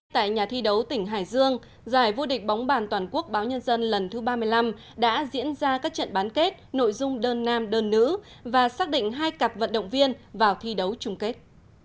tại nhà thi đấu tỉnh hải dương giải vô địch bóng bàn toàn quốc báo nhân dân lần thứ ba mươi năm đã diễn ra các trận bán kết nội dung đơn nam đơn nữ và xác định hai cặp vận động viên vào thi đấu chung kết